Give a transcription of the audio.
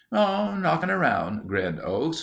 "Oh, knocking around," grinned Oakes.